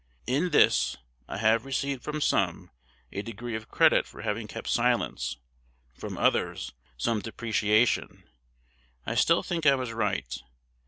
In this, I have received from some a degree of credit for having kept silence, from others some depreciation. I still think I was right.